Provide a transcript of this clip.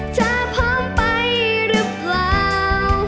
พร้อมไปหรือเปล่า